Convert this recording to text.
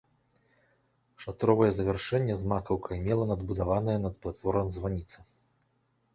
Шатровае завяршэнне з макаўкай мела надбудаваная над прытворам званіца.